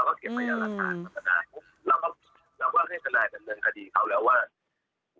แต่ที่ผมไม่ให้ข่าวว่าผม